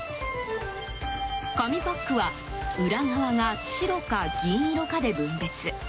紙パックは裏側が白か銀色かで分別。